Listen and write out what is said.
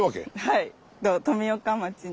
はい。